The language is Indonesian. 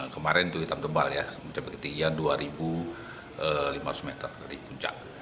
kemarin itu hitam tebal ya mencapai ketinggian dua lima ratus meter dari puncak